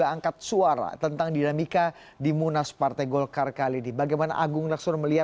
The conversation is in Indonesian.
apakah anda tetap mengikuti pertarungan ini dengan cara berbeda